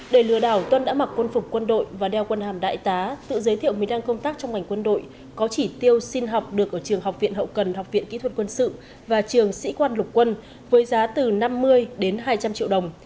để lừa đảo tuân đã mặc quân phục quân đội và đeo quân hàm đại tá tự giới thiệu mình đang công tác trong ngành quân đội có chỉ tiêu xin học được ở trường học viện hậu cần học viện kỹ thuật quân sự và trường sĩ quan lục quân với giá từ năm mươi đến hai trăm linh triệu đồng